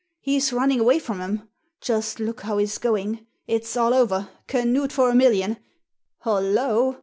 He's running away from 'em! Just look how he's going! It's all over — Canute for a million! Hollo!